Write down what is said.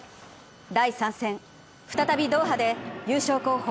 第３戦、再びドーハで優勝候補